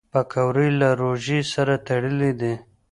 پکورې له روژې سره تړلي دي